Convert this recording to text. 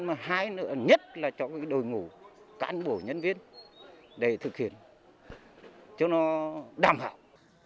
mà hai nữa nhất là cho đội ngũ cán bộ nhân viên để thực hiện cho nó đảm bảo